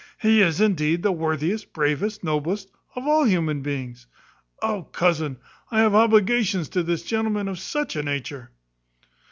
He is, indeed, the worthiest, bravest, noblest; of all human beings. O cousin, I have obligations to this gentleman of such a nature!"